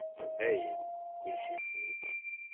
Dayen, kullec ifuk.